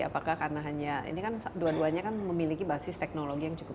apakah karena hanya ini kan dua duanya kan memiliki basis teknologi yang cukup